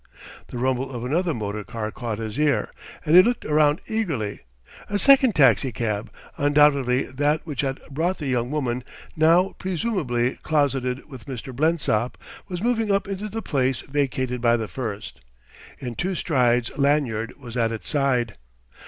The rumble of another motor car caught his ear, and he looked round eagerly. A second taxicab undoubtedly that which had brought the young woman now presumably closeted with Mr. Blensop was moving up into the place vacated by the first. In two strides Lanyard was at its side.